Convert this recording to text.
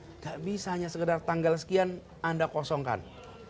tidak bisa hanya sekedar tanggal sekian anda kosongkan